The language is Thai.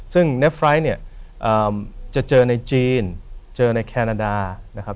ซึ่งเนฟไลต์จะเจอในจีนเจอในแคนาดา